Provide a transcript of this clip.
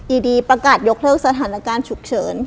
อดีประกาศยกเลิกสถานการณ์ฉุกเฉิน